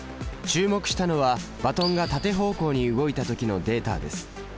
注目したのはバトンが縦方向に動いた時のデータです。